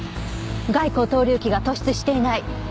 外後頭隆起が突出していない。